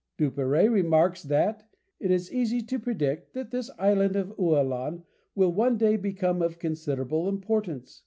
Duperrey remarks that "it is easy to predict that this island of Ualan will one day become of considerable importance.